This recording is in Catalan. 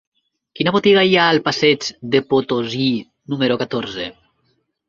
Quina botiga hi ha al passeig de Potosí número catorze?